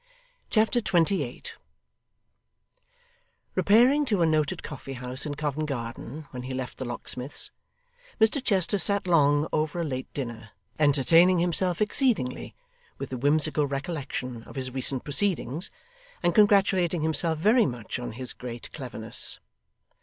Chapter 28 Repairing to a noted coffee house in Covent Garden when he left the locksmith's, Mr Chester sat long over a late dinner, entertaining himself exceedingly with the whimsical recollection of his recent proceedings, and congratulating himself very much on his great cleverness.